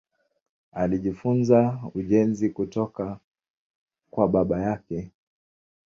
Alijifunza ujenzi kutoka kwa baba yake.